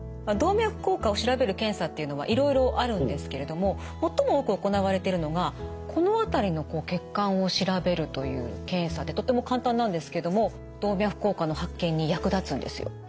動脈硬化を調べる検査っていうのはいろいろあるんですけれども最も多く行われているのがこの辺りの血管を調べるという検査でとっても簡単なんですけども動脈硬化の発見に役立つんですよ。